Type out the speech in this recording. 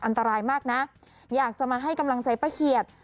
อันตรายมากนะอยากจะมาให้กำลังใจป้าเขียด